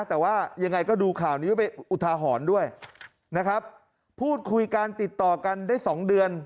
แต่ว่ายังไงก็ดูข่าวนี้ไปอุทาหรณ์ด้วยนะครับพูดคุยกันติดต่อกันได้สองเดือน